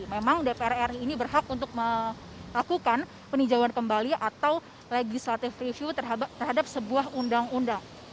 memang dpr ri ini berhak untuk melakukan peninjauan kembali atau legislative review terhadap sebuah undang undang